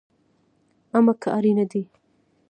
امه که اړين دي